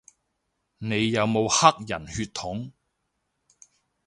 你有冇黑人血統